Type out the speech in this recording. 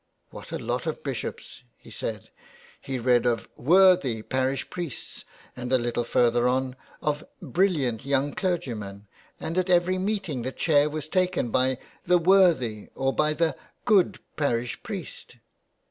'' What a lot of Bishops !" he said. He read of " worthy " parish priests, and a little further on of '' brilliant " young clergymen, and at every meeting the chair was taken by the " worthy " or by the " good " parish priest.